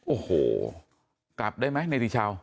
โอ้โหกลับได้ไหมเนติชาว